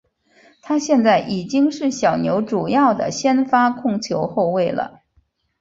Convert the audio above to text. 他现在已经是小牛主要的先发控球后卫了。